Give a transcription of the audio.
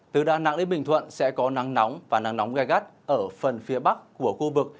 từ đà nẵng đến bình thuận sẽ có nắng nóng và nắng nóng gai gắt ở phần phía bắc của khu vực